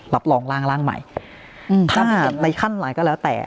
รับรองร่างร่างใหม่ถ้าในขั้นไหนก็แล้วแต่